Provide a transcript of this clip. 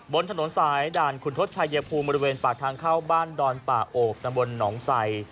บนถนนสายด่านขุนทศชายภูมิบริเวณปากทางเข้าบ้านดอนป่าโอบตำบลหนองไส